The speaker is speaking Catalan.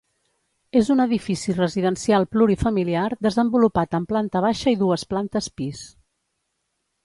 És un edifici residencial plurifamiliar desenvolupat en planta baixa i dues plantes pis.